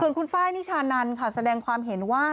คุณไฟล์นิชานันค่ะแสดงความเห็นว่า